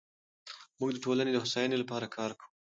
موږ د ټولنې د هوساینې لپاره کار کوو.